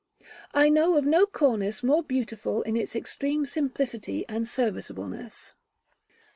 I know no cornice more beautiful in its extreme simplicity and serviceableness.